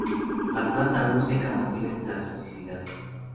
La planta aún seca mantiene la toxicidad.